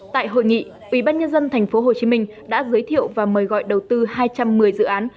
tại hội nghị ubnd thành phố hồ chí minh đã giới thiệu và mời gọi đầu tư hai trăm một mươi dự án